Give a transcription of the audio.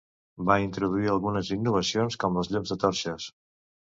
Van introduir algunes innovacions com les llums de torxes.